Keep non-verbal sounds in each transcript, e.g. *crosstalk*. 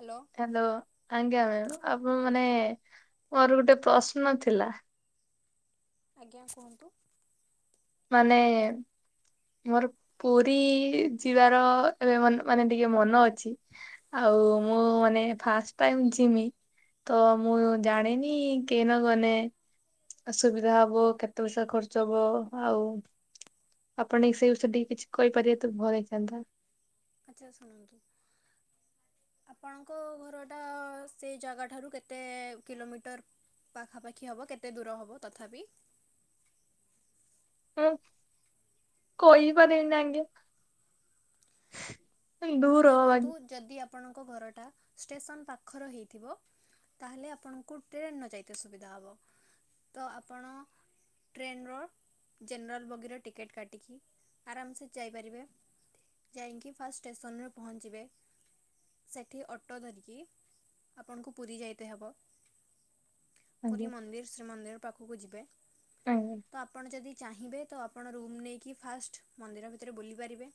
Hello. Hello ଆଜ୍ଞା ଆପଣ ମାନେ ମୋର ଗୋଟେ ପ୍ରଶ୍ନ ଥିଲା। ଆଜ୍ଞା କୁହନ୍ତୁ। ମାନେ। ମୋର ପୁରୀ ଯିବାର ଏବେ ମାନେ ଟିକେ ମନ ଅଛି। ଆଉ ମୁଁ ମାନେ ଫାଷ୍ଟ ଟାଇମ୍ ଯିମି। ତ ମୁଁ ଜାଣିନି କେହି ନ ଗନେ ଅସୁବିଧା ହବ କେତେ ପଇସା ଖର୍ଚ୍ଚ ହବ ଆଉ ଆପଣ ସେଇ ବିଷୟରେ ଟିକେ କିଛି କହିପାରିବେ ତ ଭଲ ହେଇଥାନ୍ତା। ଆଚ୍ଛା ଶୁଣନ୍ତୁ ଆପଣଙ୍କ ଘରଟା ସେ ଜାଗାଠାରୁ କେତେ କିଲୋମିଟର? ପାଖାପାଖି ହବ କେତେ ଦୂର ହେବ ତଥାପି ଓ କହିପାରିବିନି ଆଜ୍ଞା। ଦୂର ହବ ଦେଖନ୍ତୁ ଆଜ୍ଞା ଯଦି ଆପଣଙ୍କ ଘରଟା ଷ୍ଟେସନ ପାଖର ହେଇଥିବ ତାହେଲେ ଆପଣଙ୍କୁ ଟ୍ରେନ ନ ଯାଇତେ ସୁବିଧା ହବ। ତ ଆପଣ ଟ୍ରେନର ଜେନେରାଲ୍ ବଗିର ଟିକେଟ୍ କାଟିକି ଆରାମସେ ଯାଇପାରିବେ। ଯାଇକି ଫାଷ୍ଟ ଷ୍ଟେସନରେ ପହଞ୍ଚିବେ ସେଇଠି ଅଟୋ ଧରିକି ଆପଣଙ୍କୁ ପୁରୀ ଯାଇତେ ହେବ। ପୁରୀ ଆଜ୍ଞା ମନ୍ଦିର ଶ୍ରୀମନ୍ଦିର ପାଖକୁ ଯିବେ, ଆଜ୍ଞା ତ ଆପଣ ଯଦି ଚାହିଁବେ ତ ଆପଣ ରୁମ୍ ନେଇକି ଫାଷ୍ଟ ମନ୍ଦିର ଭିତରେ ବୁଲିପାରିବେ।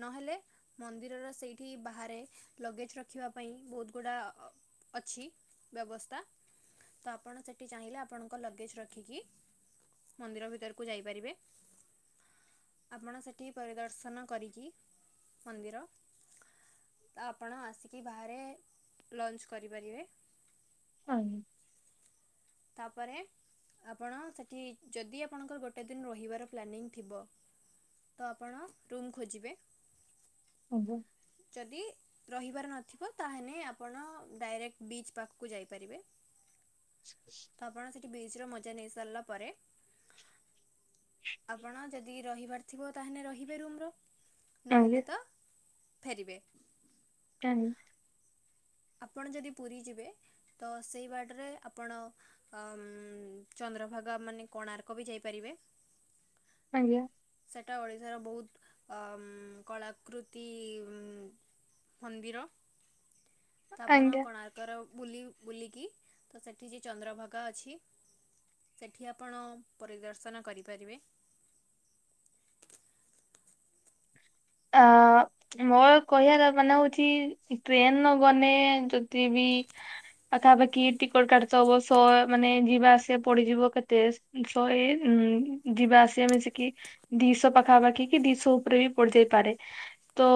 ନହେଲେ ମନ୍ଦିରର ସେଇଠି ବାହାରେ ଲଗେଜ ରଖିବା ପାଇଁ ବହୁତ ଗୁଡ଼ା ଅଛି ବ୍ୟବସ୍ଥା ତ ଆପଣ ସେଠି ଚାହିଁଲେ ଆପଣଙ୍କ ଲଗେଜ ରଖିକି ମନ୍ଦିର ଭିତରକୁ ଯାଇପାରିବେ। ଆପଣ ସେଠି ପରିଦର୍ଶନ କରିକି ମନ୍ଦିର ତ ଆପଣ ଆସିକି ବାହାରେ ଲଞ୍ଚ କରିପାରିବେ। ହଁ ତାପରେ ଆପଣ ସେଠି ଯଦି ଆପଣଙ୍କର ଗୋଟେ ଦିନ ରହିବାର ପ୍ଲାନିଂ ଥିବ ତ ଆପଣ ରୁମ୍ ଖୋଜିବେ। ହବ ଯଦି ରହିବାର ନଥିବ ତାହେଲେ ଆପଣ ଡାଇରେକ୍ଟ ବିଚ୍ ପାଖକୁ ଯାଇପାରିବେ। ତ ଆପଣ ସେଠି ବିଚର ମଜା ନେଇ ସାରିଲା ପରେ ଆପଣ ଯଦି ରହିବାର ଥିବ ତାହେଲେ ରହିବେ ରୁମର ଆଜ୍ଞା ଆଜ୍ଞା ନହେଲେ ତ ଫେରିବେ। *inaudible* ଆପଣ ଯଦି ପୁରୀ ଯିବେ ତ ସେଇ ବାଟରେ ଆପଣ ଅ ଚନ୍ଦ୍ରଭାଗା ମାନେ କୋଣାର୍କ ବି ଯାଇପାରିବେ। ଆଜ୍ଞା ସେଟା ଓଡ଼ିଶାର ବହୁତ ଅ କଳାକୃତି ଉଁ ମନ୍ଦିର ତ ଆପଣ ଆଜ୍ଞା କୋଣାର୍କର ବୁଲି ବୁଲିକି ତ ସେଠି ଯେ ଚନ୍ଦ୍ରଭାଗା ଅଛି। ସେଠି ଆପଣ ପରିଦର୍ଶନ କରିପାରିବେ। ଆ ମୋର କହିବାର ମାନେ ହଉଛି ଟ୍ରେନ ନ ଗନେ ଯଦି ବି ପାଖାପାଖି ଟିକଟ କାଟୁଥିବ ସ ମାନେ ଯିବା ଆସିବା ପଡ଼ିଯିବ କେତେ? ଶହେ ଯିବା ଆସିବା ମିଶିକି ଦିଶହ ପାଖାପାଖି କି ଦିଶହ ଉପରେ ବି ପଡିଯାଇପାରେ ତ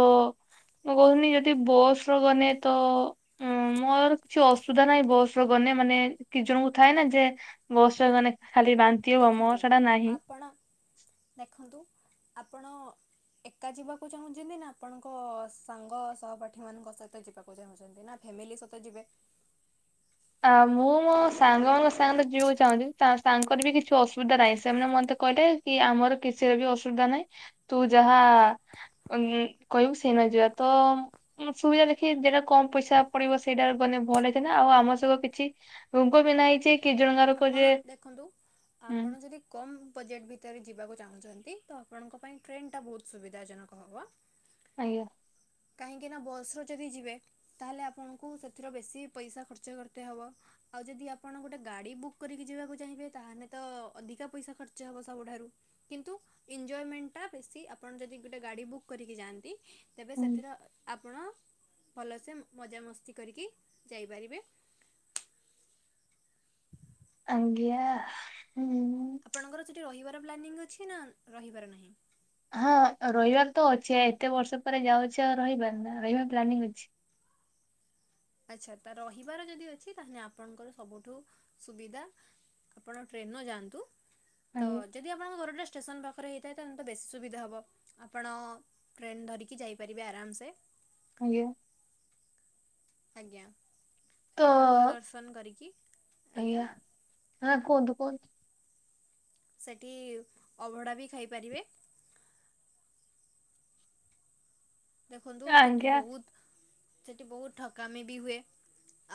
ମୁଁ କହୁଥିଲି ଯଦି ବସ ର ଗଲେ ତ ଉଁ ମୋର କିଛି ଅସୁବିଧା ନାହିଁ ବସରେ ଗଲେେ ମାନେ କିଛି ଜଣଙ୍କୁ ଥାଏ ନା ଯେ ବସ ରେ ଗନେ ଖାଲି ବାନ୍ତି ହବ ମୋ ଦେଖନ୍ତୁ ସେଟା ନାହିଁ। ଆପଣ ଦେଖନ୍ତୁ ଆପଣ ଏକା ଯିବାକୁ ଚାହୁଁଛନ୍ତି ନା ଆପଣଙ୍କ ସାଙ୍ଗ ସହପାଠୀ ମାନଙ୍କ ସହିତ ଯିବାକୁ ଛନ୍ତି ନା ଫ୍ୟାମିଲି ସହିତ୍ ଯିବେ। ଆ ମୁଁ ମୋ ସାଙ୍ଗ ମାନଙ୍କ ସାଙ୍ଗରେ ଯିବାକୁ ଚାହୁଁଛି ତାଙ୍କର ବି କିଛି ଅସୁବିଧା ନାହିଁ ସେମାନେ ମତେ କହିଲେ କିଇ ଆମର କିଛିବି ଅସୁବିଧା ନାହିଁ ତୁ ଯାହା ଉ କହିବୁ ସେଇନ ଯିବା ତ ସୁବିଧା ଦେଖି ଯେଟା କମ ପଇସା ପଡିବ ସେଇଟା ମାନେ ଭଲ ବନରିଦେଲେ ଆଉ ଆମ କିିଛି ରୁଙ୍କ ବି ନାହିଯେ ଆପଣ ଦେଖନ୍ତୁ ହୁଁ ଆପଣ ଯଦି କମ ବଜେଟ୍ ଭିତରେ ଯିବାକୁ ଚାହୁଁଛନ୍ତି ତ ଆପଣଙ୍କ ପାଇଁ ଟ୍ରେନ ଟା ବହୁତ ସୁବିଧା ଜନକ ହବ। ଆଜ୍ଞା। କାହିଁକିନା ବସର ଯଦି ଯିବେ ତାହେଲେ ଆପଣଙ୍କୁ ସେଥିରୁ ବେଶୀ ପଇସା ଖର୍ଚ୍ଚ କରତେ ହବ। ଆଉ ଯଦି ଆପଣ ଗୋଟେ ଗାଡ଼ି ବୁକ୍ କରିକି ଯିବାକୁ ଚାହିଁବେ ତାହେଲେ ତ ଅଧିକା ପଇସା ଖର୍ଚ୍ଚ ହେବ ସବୁଠାରୁ। କିନ୍ତୁ ଏଞ୍ଜୟମେଣ୍ଟଟା ବେଶୀ ଆପଣ ଯଦି ଗୋଟେ ଗାଡ଼ି ବୁକ୍ କରିକି ଯାଆନ୍ତି ତେବେ ହୁଁ ସେଥିର ଆପଣ ଭଲସେ ମଜାମସ୍ତି କରିକି ଯାଇପାରିବେ। ଆଜ୍ଞା ଉଁ। ଆପଣଙ୍କର ସେଠି ରହିବାର ପ୍ଲାନିଂ ଅଛି ନା ରହିବାର ନାହିଁ। ହଁ ରହିବାର ତ ଅଛି ଏତେ ବର୍ଷ ପରେ ଯାଉଛି ଆଉ ରହିବାର ନା ରହିବା ପ୍ଲାନିଂ ଅଛି। ଆଚ୍ଛା ତା ରହିବାର ଯଦି ଅଛି ତାହେଲେ ଆପଣଙ୍କର ସବୁଠୁ ସୁବିଧା। ଆପଣ ଟ୍ରେନର ଯାଆନ୍ତୁ ତ ଆଜ୍ଞା ଯଦି ଆପଣଙ୍କ ଘରଟା ଷ୍ଟେସନ୍ ପାଖରେ ହେଇଥାଏ ତାହେଲେ ତ ବେଶୀ ସୁବିଧା ହେବ ଆପଣ ଟ୍ରେନ୍ ଧରିକି ଯାଇ ପାରିବେ ଆରାମସେ। ଆଜ୍ଞା। ଆଜ୍ଞା ତ ସେଠି ଠାକୁର ଦର୍ଶନ କରିକି ଆଜ୍ଞା। ହଁ କୁହନ୍ତୁ କୁହନ୍ତୁ। ସେଠି ଅବଡ଼ା ବି ଖାଇପାରିବେ। ଦେଖନ୍ତୁ ସେଠି ଆଜ୍ଞା ବହୁତ ସେଠି ବହୁତ ଠକାମି ବି ହୁଏ।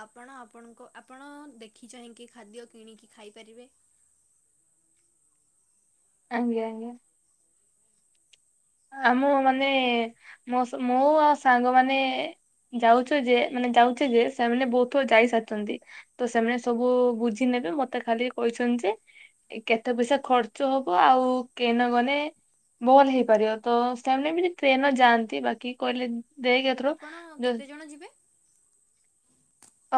ଆପଣ ଆପଣଙ୍କ ଆପଣ ଦେଖି ଚାହିଁକି ଖାଦ୍ୟ କିଣିକି ଖାଇପାରିବେ। ଆଂଞ ଆଂଞ। ଆ ମୁଁ ମାନେ ମୋ ମୁଁ ଆଉ ସାଙ୍ଗମାନେ ଯାଉଛ ଯେ ମାନେ ଯାଉଛେ ଯେ ସେମାନେ ବହୁତଥଟ ଯାଇସାରିଛନ୍ତି। ତ ସେମାନେ ସବୁ ବୁଝି ନେବେ ମତେ ଖାଲି କହିଛନ୍ତି ଯେ କେତେ ପଇସା ଖର୍ଚ୍ଚ ହବ ଆଉ କେନ ଗଲେ ଭଲ ହେଇପାରିବ। ତ ସେମାନେ ବି ଟ୍ରେନଟ ଯାଆନ୍ତି ବାକି କହିଲେ ଦେଇକି ଏଥର ଆପଣ ଯଦି କେତେଜଣ ଯିବେ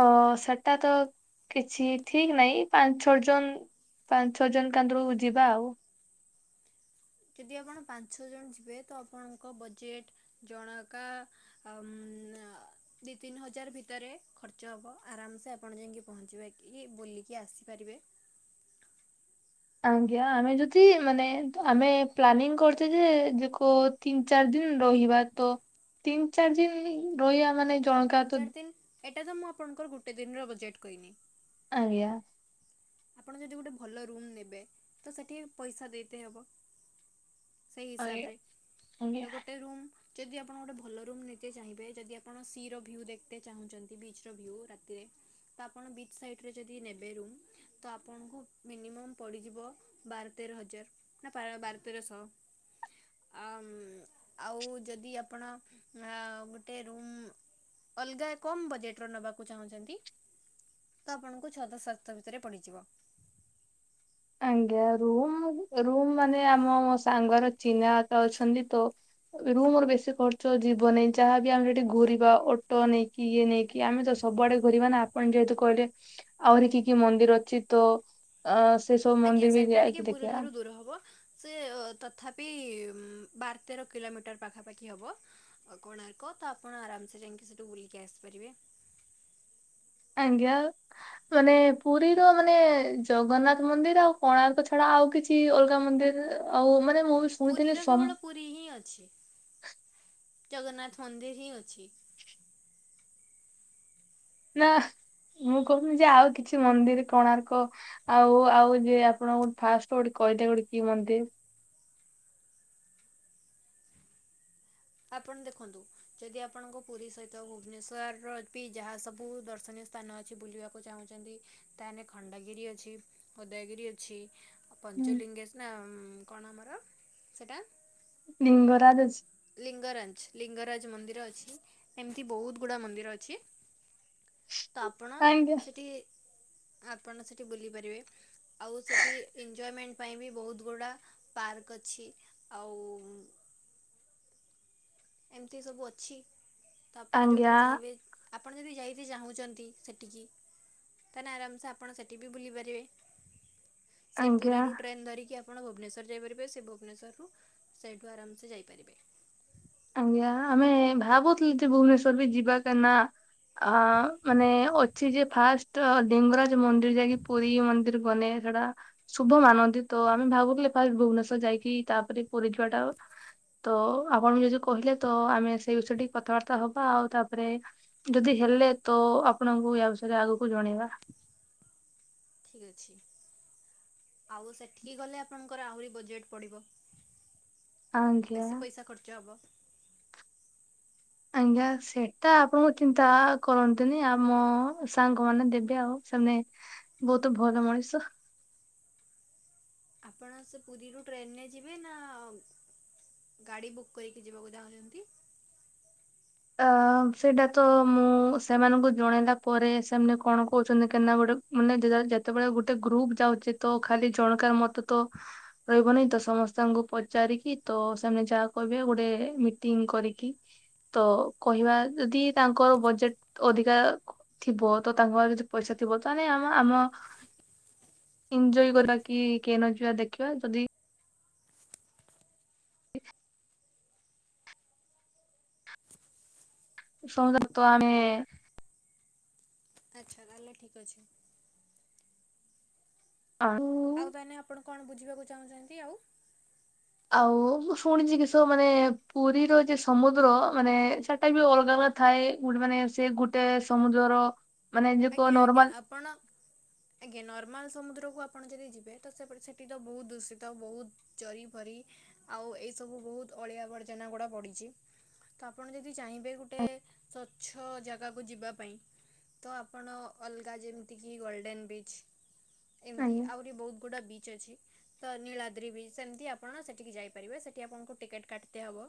ଅ ସେଟା ତ କିଛି ଠିକ ନାହିଁ ପାଞ୍ଚ ଛଅ ଜଣ ପାଞ୍ଚ ଛଅ ଜଣ ତାଧିଅରୁ ଯିବା ଆଉ। ଯଦି ଆପଣ ପାଞ୍ଚ ଛଅ ଜଣ ଯିବେ ତ ଆପଣଙ୍କ ବଜେଟ୍ ଜଣକା ଆଉ ମ ଅ ଦୁଇ ତିନି ହଜାର ଭିତରେ ଖର୍ଚ୍ଚ ହେବ ଆରାମସେ ଆପଣ ଯାଇକି ପହଞ୍ଚିବା କି ବୁଲିକି ଆସିପାରିବେ। ଆଜ୍ଞା ଆମେ ଯଦି ମାନେ ଆମେ ପ୍ଲାନିଂ କରୁଛେ ଦେଖ ତିନି ଚାରି ଦିନ ରହିବା ତ ତିନି ଚାରି ଦିନ ରହିବା ମାନେ ଓ ଜଣକା ତିନି ତ ଚାରି ଦିନ ଏଇଟା ତ ମୁଁ ଆପଣଙ୍କର ଗୋଟେ ଦିନର ବଜେଟ୍ କହିନି। ଆଜ୍ଞା। ଆପଣ ଯଦି ଗୋଟେ ଭଲ ରୁମ ନେବେ ତ ସେଠି ପଇସା ଦେଇତେ ହବ। ସେଇ ଆଜ୍ଞା ହିସାବରେ ଆଜ୍ଞା ତ ଗୋଟେ ରୁମ୍, ଯଦି ଆପଣ ଗୋଟେ ଭଲ ରୁମ୍ ନେଇକେ ଚାହିଁବେ ଯଦି ଆପଣ ସି ର ଭ୍ୟୁ ଦେଖତେ ଚାହୁଁଛନ୍ତି ବିଚ ର ଭ୍ୟୁ ରାତିରେ। ତ ଆପଣ ବିଚ୍ ସାଇଡ଼ରେ ଯଦି ନେବେ ରୁମ୍ ତ ଆପଣଙ୍କୁ ମିନିମମ୍ ପଡ଼ିଯିବ ବାର ତେର ହଜାର। ନାଁ ପା ବାର ତେର ଶହ। ଆଉ, ଆଉ ଯଦି ଆପଣ ଆନ ଗୋଟେ ରୁମ୍ ଅଲଗା କମ୍ ବଜେଟ ର ନବାକୁ ଚାହୁଁଛନ୍ତି ତ ଆପଣଙ୍କୁ ଛଅ ଶ ସାତଶ ଭିତରେ ପଡ଼ିଯିବ। ଆଜ୍ଞା ରୁମ ରୁମ ମାନେ ଆମ ସାଙ୍ଗର ଚିହ୍ନାବାପା ଅଛନ୍ତି ତ। ରୁମ ର ବେଶି ଖର୍ଚ୍ଚ ଯିବ ନାହିଁ ଯାହାବି ଆମେ ଏଠି ଘୁରିବା ଅଟୋ ନେଇକି ଇଏ ନେଇକି, କି ଆମେ ତ ସବୁଆଡେ ଘୁରିବା ନା ଆପଣ ଯେହେତୁ କହିଲେ। ଆହୁରି କି କି ମନ୍ଦିର ଅଛି ତ ଅ। ସେ ସବୁ ଆଜ୍ଞା ମନ୍ଦିର ବି ସୋଇଟା ଟିକେ ଯାଇକି ପୁରୀ ଦେଖିବା ଠାରୁ ଦୂର ହବ। ସେ ତଥାପି ବାର ତେର କିଲୋମିଟର ପାଖାପାଖି ହବ। କୋଣାର୍କ ତ ଆପଣ ଆରାମସେ ଯାଇକି ସେଠୁ ବୁଲିକି ଆସିପାରିବେ। ଆଜ୍ଞା। ମାନେ ପୁରୀର ମାନେ ଜଗନ୍ନାଥ ମନ୍ଦିର ଆଉ ପାର୍କ ଛଡା ଆଉ କିଛି, କି ଅଲଗା ମନ୍ଦିରରେ ଆଉ ମାନେ ମୁଁ ବି ଶୁଣିଥିଲି ପୁରୀର ସମ କେବଳ ପୁରୀ ହିଁ ଅଛି, ଜଗନ୍ନାଥ ମନ୍ଦିର ହିଁ ଅଛି। ନା ମୁଁ କହୁନି ଯେ ଆଉ କିଛି ମନ୍ଦିର କୋଣାର୍କ, ଆଉ ଆଉ ବି ଆପଣକୁ ଫାଷ୍ଟ ଗୋଟେ କହିଦେ ବି ଗୋଟେ କି ମନ୍ଦିର? ଆପଣ ଦେଖନ୍ତୁ। ଯଦି ଆପଣଙ୍କ ପୁରୀ ସହିତ ଭୁବନେଶ୍ଵର ର ବି ଯାହା ସବୁ ଦର୍ଶନୀୟ ସ୍ଥାନ ଅଛି ବୁଲିବାକୁ କୁ ଚାହୁଁଛନ୍ତି ତାହେଲେ ଖଣ୍ଡଗିରି ଅଛି, ଉଦୟଗିରି ଅଛି, ଆଉ ହୁଁ, ପଞ୍ଚଲିଙ୍ଗଜେ ନା କଣ ଆମର ସେଇଟା? ଲିଙ୍ଗରାଜ ଅଛି। ଲିଙ୍ଗରାଜ ଲିଙ୍ଗରାଜ ମନ୍ଦିର ଅଛି ଏମିତି ବହୁତ ଗୁଡ଼ା ମନ୍ଦିର ଅଛି। ତ ଆପଣ ଆଜ୍ଞା ସେଠି ଆପଣ ସେଠି ବୁଲି ପାରିବେ। ଆଉ ସେଠି ଏନଜୟମେଣ୍ଟ ପାଇଁ ବି ବହୁତ ଗୁଡା ପାର୍କ ଅଛି। ଆଉ। ଏମିତି ସବୁ ଅଛି, ତ ଆପଣ ଆଜ୍ଞା ଯେଉଁଠିକି ଚାହିଁବେ। ଆପଣ ଯଦି ଯାଇକି ଚାହୁଁଛନ୍ତି ସେଠିକି, ତାଲେ ଆରାମସେ ଆପଣ ସେଠି ବି ବୁଲି ପାରିବେ ସେ ପୁରି ଆଜ୍ଞା ରୁ ଟ୍ରେନ ଧରୀକି ଆପଣ ଭୁବନେଶ୍ୱର ଯାଇପାରିବେ ସେ ଭୁବନେଶ୍ୱରରୁ ସେଇଠୁ ଆରାମସେ ଯାଇପାରିବେ। ଆଜ୍ଞା ଆମେ ଭାବୁଥିଲୁ ଯେ ଭୁବନେଶ୍ଵର ବି ଯିବା କା ନା। ଆ ମାନେ ଅଛି ଯେ ଫାଷ୍ଟ ଡିଙ୍ଗରା ମନ୍ଦିର ଯାଇକି ପୁରୀ ମନ୍ଦିର ବନେ ସେଟା। ଶୁଭ ମାନନ୍ତି ତ ଆମେ ଭାବୁଥିଲେ ଫାଷ୍ଟ ଭୁବନେଶ୍ଵର ଯାଇକି ତାପରେ ପୁରୀ ଯିବାଟା ତ ଆପଣ କିଛି କହିଲେ ତ ଆମେ ସେଇ ବିଷୟ ଟିକ କଥାବାର୍ତ୍ତା ହବା ଆଉ ତାପରେ, ଯଦି ହେଲେ ତ ଆପଣଙ୍କୁ ୟା ବିଷୟରେ ଆଗକୁ ଜଣେଇବା। ଠିକ୍ ଅଛି। ଆଉ ସେଠିକି ଗଲେ ଆପଣଙ୍କର ଆହୁରି ବଜେଟ୍ ପଡ଼ିବ। ଆଜ୍ଞା। ବେଶି ପଇସା ଖର୍ଚ୍ଚ ହବ। ଆଜ୍ଞା ସେଇଟା ଆପଣଙ୍କୁ ଚିନ୍ତା କରନ୍ତୁନି ଆମ ସାଙ୍ଗ ମାନେ ଦେବେ ଆଉ ସେମାନେ। ବହୁତ୍ ଭଲ ମଣିଷ। ଆପଣ ସେ ପୁରୀରୁ ଟ୍ରେନ୍ରେ ଯିବେ ନା ଗାଡ଼ି ବୁକ୍ କରିକି ଯିବାକୁ ଚାହୁଁଚନ୍ତି? ଅ ସେଇଟାତ ମୁଁ ସେମାନଙ୍କୁ ଜଣେଇଲା ପରେ ସେମାନେ କଣ କହୁଚନ୍ତି କେନା ଗୋଟେ ମାନେ ଦେ ଯେତେବେଳେ ଗୋଟେ ଗ୍ରୁପ୍ ଯାଉଚିତ ଖାଲି ଜଣକାର ମତତ ରହିବନହିଁତ ସମସ୍ତଙ୍କୁ ପଚାରିକି ତସେମାନେ ଯାହା କହିବେ ଗୋଟେ ମିଟିଂ କରିକି ତ କହିବା ଯଦି ତାଙ୍କର ବଜେଟ୍ ଅଧିକା ଥିବ ତତାଙ୍କ ପାଖରେ ଯଦି ପଇସା ଥିବ ତାହାନେ ଆମ ଆମ ଏଇଞଜୟ କରିବାକି କେନ ଯିବା ଦେଖିବା ଯଦି *inaudible* ସହଜରେତ ଆମେ ଆଚ୍ଛା ତାହେଲେ ଠିକ୍ ଅଛି। *inaudible* ଆଉ ତାହେନେ ଆପଣ କଣ ବୁଝିବାକୁ ଚାହୁଁଚନ୍ତି ଆଉ? ଆଉ ମୁଁ ଶୁଣିଚି କିଷ ମାନେ ପୁରୀର ଯେ ସମୁଦ୍ର ମାନେ ସେ ଟାବି ଅଲଗା ଅଲଗା ଥାଏ ଗୁଟେମାନେ ସେଗୁଟେ ସମୁଦ୍ରର ମାନେ ଯେ ଆଜ୍ଞା ଆଜ୍ଞା ନର୍ମାଲ ଆପଣ ଆଜ୍ଞା ନର୍ମାଲ ସମୁଦ୍ରକୁ ଆପଣ ଯଦି ଯିବେ ତସେପଟେ ସେଟିତ ବହୁତ୍ ଦୂଷିତ ବହୁତ୍ ଚରି ଫରି ଆଉ ଏଇ ସବୁ ବହୁତ ଅଳିଆ ଆବର୍ଜନା ଗୁଡ଼ା ପଡ଼ିଚି। ତ ଆପଣ ଯଦି ଚାହିଁବେ ଗୋଟେ ସ୍ୱଚ୍ଛ ଜାଗାକୁ ଯିବାପାଇଁ ତଆପଣ ଅଲଗା ଯେମିତିକି ଗୋଲ୍ଡେନ୍ ବିଚ୍ ଏମିତି ଆଜ୍ଞା ଆହୁରି ବହୁତ୍ ଗୁଡ଼ା ବିଚ୍ ଅଛି। ତ ନୀଳାଦ୍ରିବି ସେମିତି ଆପଣ ସେଠିକି ଯାଇପାରିବେ ସେଇଠି ଆପଣଙ୍କୁ ଟିକେଟ୍ କାଟିତେ ହବ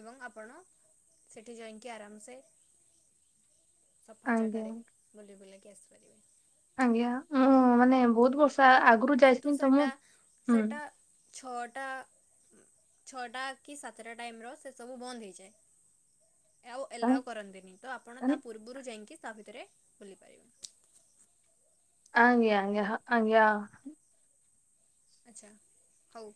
ଏବଂ ଆପଣ ସେଠି ଯାଇକି ଆରାମସେ ସଫା ଆଜ୍ଞା ଜାଗାରେ ବୁଲି ବୁଲାକି ଆସିପାରିବେ। ଆଜ୍ଞା ମୁଁ ମାନେ ବହୁତ୍ ବର୍ଷ ଆ ଆଗରୁ କିନ୍ତୁ ଯାଇଥିଲି ତ ମୁଁ ସେଇଟା ହୁଁ ସେଇଟା ଛଅଟା ଛଅଟା କିସାତଟା ଟାଇମ୍ର ସେସବୁ ବନ୍ଦ ହେଇଯାଏ। ଆଉ ଏଲାଓ ତାନେ- କରନ୍ତିନି ତଆପଣ ତା ତାନେ- ପୂର୍ବରୁ ଯାଇକି ତାଭିତରେ ବୁଲି ପାରିବେ। ଆଜ୍ଞା ଆଜ୍ଞା ହଁ ଆଜ୍ଞା। ଆଚ୍ଛା ହଉ।